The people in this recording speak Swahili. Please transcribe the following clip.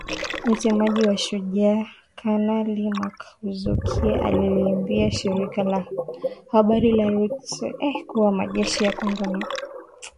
Msemaji wa Shujaa, Kanali Mak Hazukay, aliliambia shirika la habari la Reuters kuwa majeshi ya Kongo na Uganda yalitia saini Juni mosi